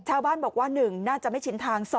ชาวบ้านบอกว่า๑น่าจะไม่ชินทาง